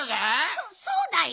そそうだよ。